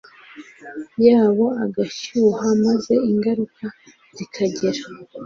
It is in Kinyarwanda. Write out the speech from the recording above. yabo agashyuha maze ingaruka zikagera